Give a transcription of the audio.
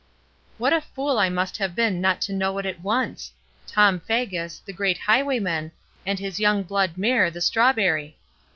What a fool I must have been not to know it at once! Tom Faggus, the great highwayman, and his young blood mare, the strawberry.